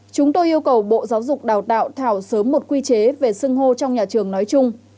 chúng tôi yêu cầu bộ giáo dục đào tạo thảo sớm một quy chế về sưng hô trong nhà trường nói chung